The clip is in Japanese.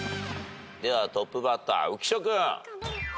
ではトップバッター浮所君。